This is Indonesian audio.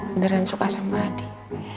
beneran suka sama adik